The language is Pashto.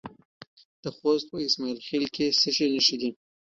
د خوست په اسماعیل خیل کې د څه شي نښې دي؟